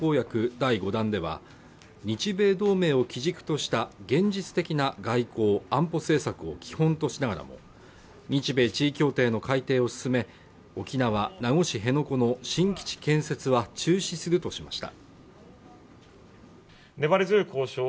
第５弾では、日米同盟を基軸とした現実的な外交・安保政策を基本としながらも、日米地位協定の改定を進め、沖縄・名護市辺野古の新基地建設は中止するとしました。